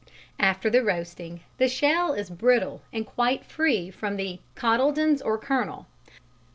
After roasting, the shell is brittle and quite free from the cotyledons or kernel.